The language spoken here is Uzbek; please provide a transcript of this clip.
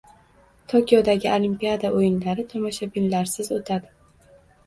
Tokiodagi Olimpiada o‘yinlari tomoshabinlarsiz o‘tadi